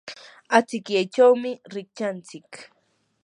achikyaychawmi rikchanchik.